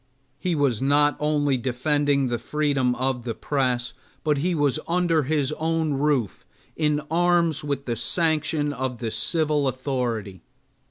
He was not only defending the freedom of the press, but he was under his own roof in arms with the sanction of the civil authority.